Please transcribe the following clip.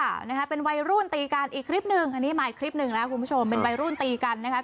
อันนี้มาอีกคลิปหนึ่งแล้วครับคุณผู้ชมเป็นใบรุ่นตีกันนะคะ